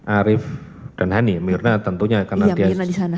arief dan hani mirna tentunya karena dia disana